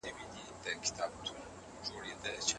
اقتصاد پوهانو د پرمختیا په اړه خپل نظرونه څرګند کړل.